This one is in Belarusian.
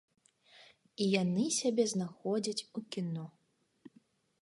І яны сябе знаходзяць у кіно.